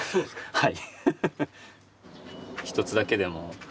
はい。